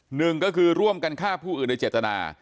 หนึ่งก็คือร่วมกันฆ่าผู้อื่นโดยเจตนา